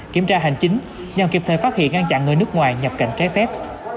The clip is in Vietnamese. kiểm tra hành chính nhằm kịp thời phát hiện ngăn chặn người nước ngoài nhập cảnh trái phép